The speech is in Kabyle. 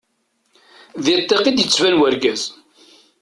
Di ṭṭiq i d-ittban wergaz.